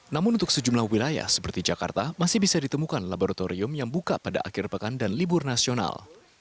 namun untuk sejumlah wilayah seperti jakarta masih bisa ditemukan laboratorium yang buka pada akhir pekan dan libur nasional